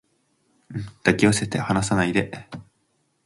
抱き寄せて離さないで